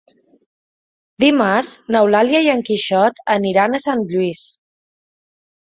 Dimarts n'Eulàlia i en Quixot aniran a Sant Lluís.